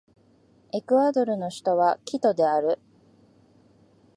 エクアドルの首都はキトである